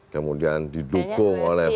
kemudian didukung oleh pak eva